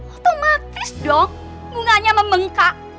otomatis dong bunganya membengkak